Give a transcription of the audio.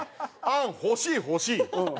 「ああっ欲しい欲しー」